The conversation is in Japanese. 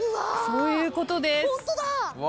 そういうことです。